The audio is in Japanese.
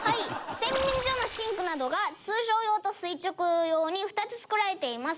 洗面所のシンクなどが通常用と垂直用に２つ作られています」